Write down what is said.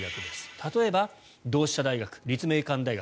例えば同志社大学、立命館大学。